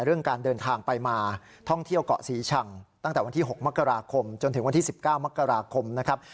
เรื่องการเดินทางไปมาท่องเที่ยวเกาะศรีชังตั้งแต่วันที่๖มกราคมจนถึงวันที่๑๙มกราคมนะครับ